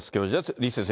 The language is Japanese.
李先生